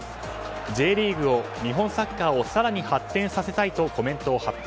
Ｊリーグを、日本サッカーを更に発展させたいとコメントを発表。